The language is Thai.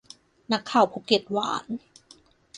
นักข่าวภูเก็ตหวาน